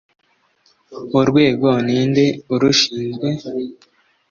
urwego ni nde urushinzwe?